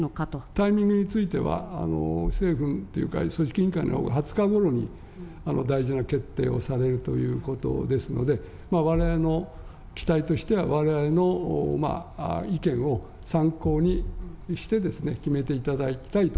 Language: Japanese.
タイミングについては政府というか、組織委員会のほうが２０日ごろに大事な決定をされるということですので、われわれの期待としては、われわれの意見を参考にして決めていただきたいと。